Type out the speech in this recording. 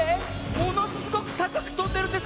ものすごくたかくとんでるんですけど！